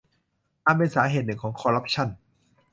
อันเป็นสาเหตุหนึ่งของคอร์รัปชั่น